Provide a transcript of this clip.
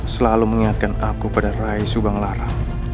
selalu mengingatkan aku pada rai subang lara